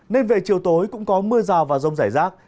nên về chiều tối cũng có mưa rào và rông rải rác